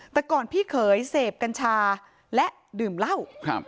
แต่ก่อนพี่เขยเสพกัญชาและดื่มเหล้า